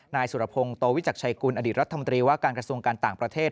นายสุรพงศ์โตวิจักรชัยกุลอดีตรัฐมนตรีว่าการกระทรวงการต่างประเทศ